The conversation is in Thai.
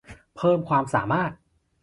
เพิ่มความสามารถ